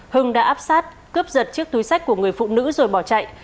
hưng đã áp sát cướp giật chiếc túi sách của người phụ nữ rồi bỏ chạy